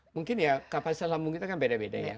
mungkin ya kapasitas lambung kita kan beda beda ya